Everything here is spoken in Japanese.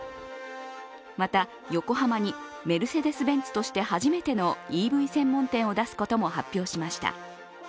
また横浜にメルセデス・ベンツとして初めてのＥＶ専門店を出すことも発表しました。